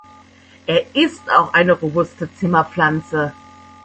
Er ist auch eine robuste Zimmerpflanze.